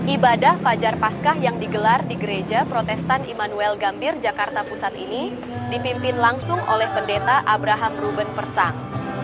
ibadah fajar paskah yang digelar di gereja protestan immanuel gambir jakarta pusat ini dipimpin langsung oleh pendeta abraham ruben persang